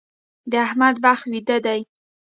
د احمد بخت ويده دی.